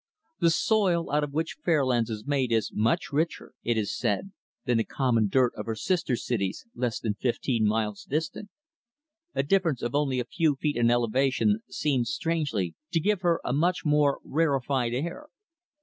The soil out of which Fairlands is made is much richer, it is said, than the common dirt of her sister cities less than fifteen miles distant. A difference of only a few feet in elevation seems, strangely, to give her a much more rarefied air.